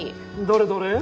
どれどれ？